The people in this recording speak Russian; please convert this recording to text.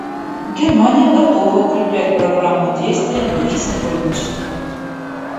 Германия готова укреплять Программу действий в духе сотрудничества.